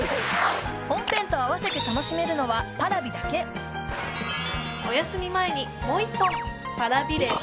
本編と合わせて楽しめるのはＰａｒａｖｉだけおやすみ前にもう一本Ｐａｒａｖｉれば